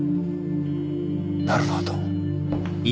なるほど。